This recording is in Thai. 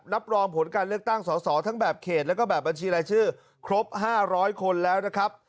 รับรองผลการเลือกตั้งสอสอทั้งแบบเขตแล้วก็แบบบัญชีรายชื่อครบ๕๐๐คนแล้วนะครับ